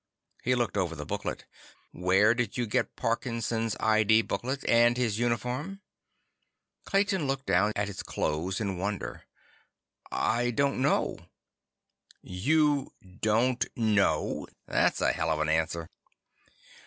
He looked over the booklet. "Where did you get Parkinson's ID booklet? And his uniform?" Clayton looked down at his clothes in wonder. "I don't know." "You don't know? That's a hell of an answer."